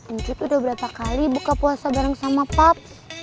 ancut udah berapa kali buka puasa bareng sama pap